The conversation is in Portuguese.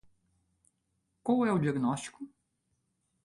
Qual é o diagnóstico?